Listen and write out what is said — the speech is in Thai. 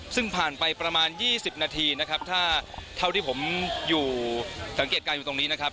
ซึ่งผ่านไปประมาณ๒๐นาทีนะครับถ้าเท่าที่ผมอยู่สังเกตการณ์อยู่ตรงนี้นะครับ